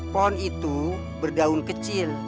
pohon itu berdaun kecil